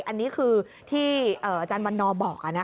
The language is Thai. อันนี้คือที่อาจารย์วันนอบอกนะ